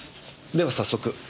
では早速。